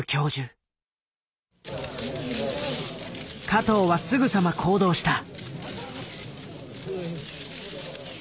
加藤はすぐさま行動した。